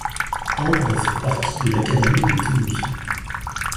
Ambres fait partie de l'académie de Toulouse.